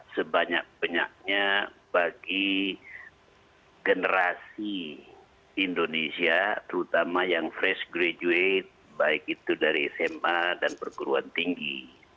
sebanyak banyaknya bagi generasi indonesia terutama yang fresh graduate baik itu dari sma dan perguruan tinggi